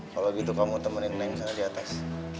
kalau gitu kamu temenin naik ke sana di atas